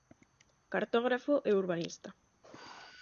Cartógrafo e urbanista.